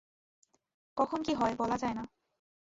কখন কী হয়, বলা যায় না।